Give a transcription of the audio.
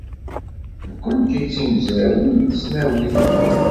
Nekkenti d timezrawin n tesnawit.